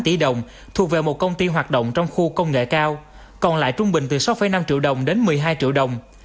một mươi tỷ đồng thuộc về một công ty hoạt động trong khu công nghệ cao còn lại trung bình từ sáu năm triệu đồng đến một mươi hai triệu đồng